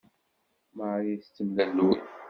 Marie tettemlelluy.